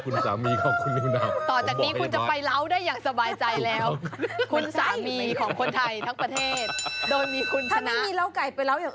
นี่คือเหงานี่แหละเหงานี่คือความจริงที่ได้จ่าย